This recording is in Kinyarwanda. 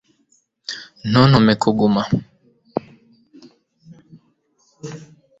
ntuntume kuguma